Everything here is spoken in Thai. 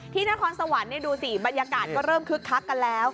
นครสวรรค์ดูสิบรรยากาศก็เริ่มคึกคักกันแล้ว